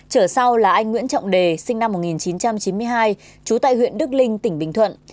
trở sau là anh nguyễn trọng đề sinh năm một nghìn chín trăm chín mươi hai trú tại huyện đức linh tỉnh bình thuận